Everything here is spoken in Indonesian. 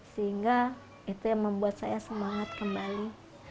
sehingga itu yang membuat saya semangat kembali